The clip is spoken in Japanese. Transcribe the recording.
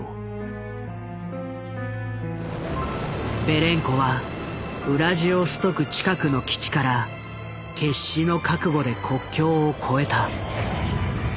ベレンコはウラジオストク近くの基地から決死の覚悟で国境を越えた。